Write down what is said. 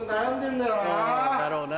だろうな。